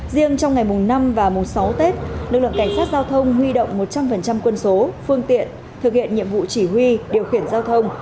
riêng trong ngày mùng năm và mùng sáu tết lực lượng cảnh sát giao thông huy động một trăm linh quân số phương tiện thực hiện nhiệm vụ chỉ huy điều khiển giao thông